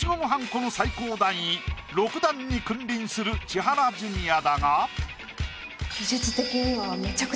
この最高段位６段に君臨する千原ジュニアだが。